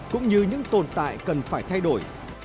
cũng như những tồn tại cần phải thay đổi